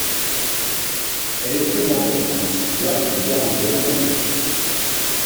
Elle est présente en France via une quarantaine d'antennes.